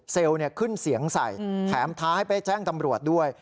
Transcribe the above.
ขึ้นเสียงใส่แถมท้าให้ไปแจ้งตำรวจด้วย